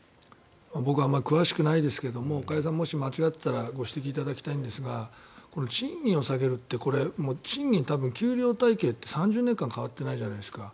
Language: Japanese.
僕はあまり詳しくないですけど加谷さんもし間違っていたらご指摘いただきたいんですがこの賃金を下げるって賃金、給料体系って３０年間変わってないじゃないですか。